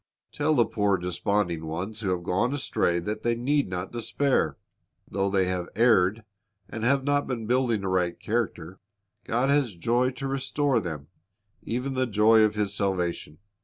Tell the poor desponding ones who have gone astray that they need not despair. Though they have erred, and have not been building a right character, God has joy to restore to them, even the joy of His salvation.